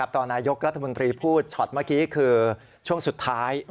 ตอนนายกรัฐมนตรีพูดช็อตเมื่อกี้คือช่วงสุดท้าย